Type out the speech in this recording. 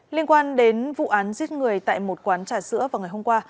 liên quan đến vụ án giết người tại một quán trà sữa vào ngày hôm qua